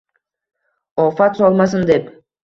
Ofat solmasin deb